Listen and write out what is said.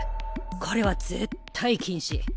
これは絶対禁止。